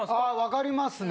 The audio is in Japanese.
わかりますね。